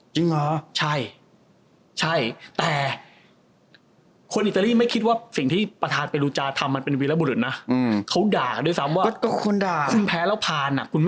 จริงเหรอใช่ใช่แต่คนอิตาลีไม่คิดว่าสิ่งที่ประธานเปรูจาทำมันเป็นวิลบุรุษนะอืม